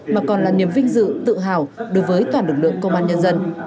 mà còn là niềm vinh dự tự hào đối với toàn lực lượng công an nhân dân